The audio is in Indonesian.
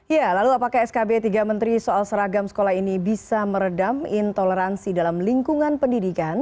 ya lalu apakah skb tiga menteri soal seragam sekolah ini bisa meredam intoleransi dalam lingkungan pendidikan